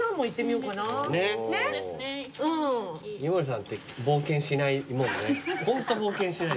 井森さんって冒険しないもんね。